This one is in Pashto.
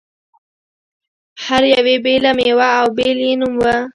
هر یوې بېله مېوه او بېل یې نوم و.